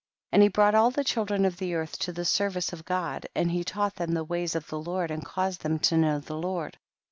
36. And he brought all the chil dren of the earth to the service of God, and he taught them the ways of the Lord, and caused them to know the Lord.